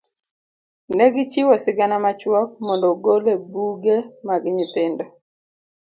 Ne gichiwo sigana machuok mondo ogol e buge mag nyithindo.